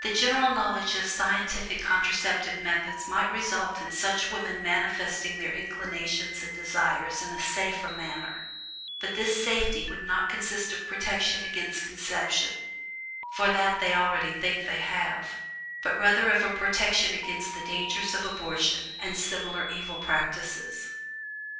The general knowledge of scientific contraceptive methods might result in such women manifesting their inclinations and desires in a "safer" manner, but this "safety" would not consist of protection against conception (for that they already think they have) but rather of a protection against the dangers of abortion and similar evil practices.